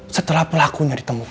setelah pelakunya ditemukan